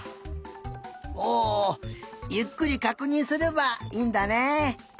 おゆっくりかくにんすればいいんだね。